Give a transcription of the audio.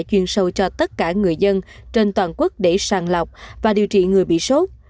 chuyên sâu cho tất cả người dân trên toàn quốc để sàng lọc và điều trị người bị sốt